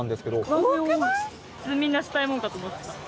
普通みんなしたいものかと思ってた。